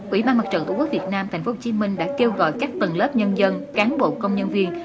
ủy ban mặt trận tổ quốc việt nam tp hcm đã kêu gọi các tầng lớp nhân dân cán bộ công nhân viên